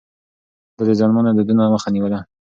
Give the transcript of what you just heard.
ده د زيانمنو دودونو مخه نيوله.